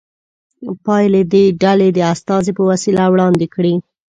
پایلې دې ډلې د استازي په وسیله وړاندې کړي.